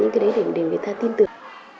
những cái đấy để người ta tin tưởng